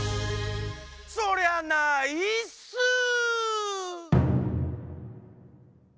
そりゃないっすー！